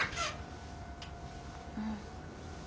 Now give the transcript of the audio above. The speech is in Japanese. うん。